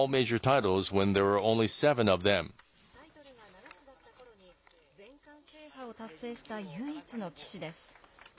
タイトルが７つだったころに全冠制覇を達成した唯一の棋士です。